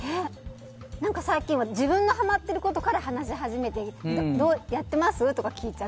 最近自分がはまっていることから話し始めてやってます？とか聞いちゃう。